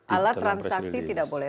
alat transaksi tidak boleh